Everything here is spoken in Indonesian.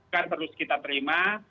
kan terus kita terima